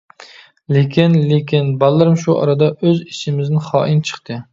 لېكىن، لېكىن. بالىلىرىم، شۇ ئارىدا ئۆز ئىچىمىزدىن خائىن چىقتى.